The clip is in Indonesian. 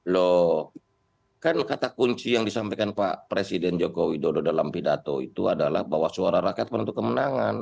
loh kan kata kunci yang disampaikan pak presiden jokowi dalam pidato itu adalah bahwa suara rakyat pentu kemenangan